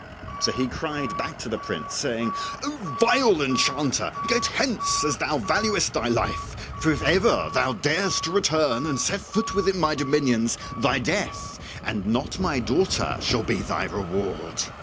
So he cried back to the prince, saying, "O vile enchanter, get hence as thou valuest thy life, for if ever thou darest to return and set foot within my dominions thy death and not my daughter shall be thy reward!"